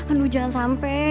aduh jangan sampai